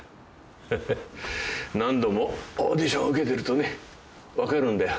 ハハッ何度もオーディションを受けてるとね分かるんだよ